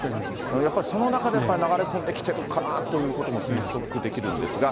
やっぱりその中で流れ込んできてるかなということも推測できるんですが。